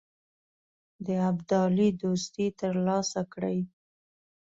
د ابدالي دوستي تر لاسه کړي.